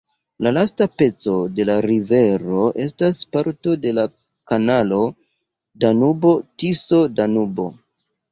La lasta peco de la rivero estas parto de la kanalo Danubo-Tiso-Danubo.